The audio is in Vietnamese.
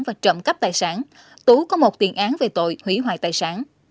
và trộm cấp tài sản tú có một tiền án về tội hủy hoài tài sản